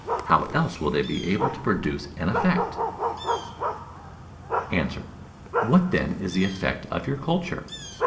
How else will they be able to produce an effect?" Answer. What, then, is the effect of your culture?